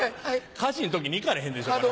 火事ん時に行かれへんでしょう。